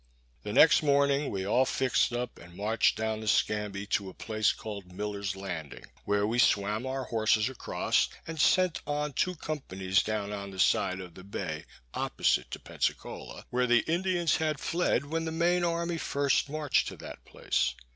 The next morning we all fixed up, and marched down the Scamby to a place called Miller's Landing, where we swam our horses across, and sent on two companies down on the side of the bay opposite to Pensacola, where the Indians had fled when the main army first marched to that place.